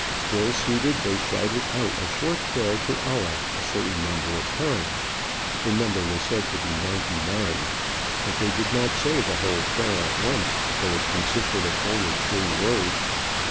Still seated, they shouted out a short prayer to Allah a certain number of times. The number was said to be ninety nine. But they did not say the whole prayer at once, though it consisted of only three words.